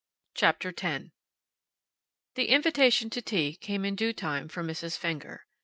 CHAPTER TEN The invitation to tea came in due time from Mrs. Fenger.